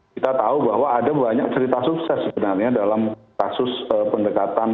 kita tahu bahwa ada banyak cerita sukses sebenarnya dalam kasus pendekatan